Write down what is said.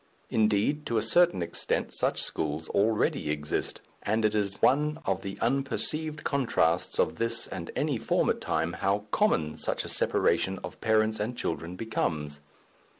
Indeed, to a certain extent such schools already exist, and it is one of the unperceived contrasts of this and any former time how common such a separation of parents and children becomes.